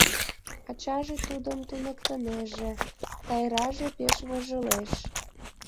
Ачаже тудым туныктынеже, Тайраже пеш вожылеш.